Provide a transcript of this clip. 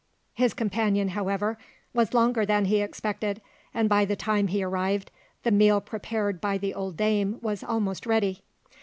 His companion, however, was longer than he expected, and by the time he arrived the meal prepared by the old dame was almost ready.